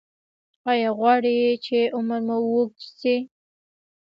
ایا غواړئ چې عمر مو اوږد شي؟